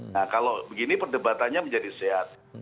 nah kalau begini perdebatannya menjadi sehat